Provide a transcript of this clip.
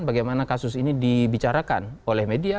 bagaimana kasus ini dibicarakan oleh media